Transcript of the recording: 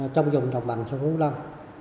trong dùng độc bằng sông củ lâm